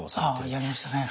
ああやりましたね。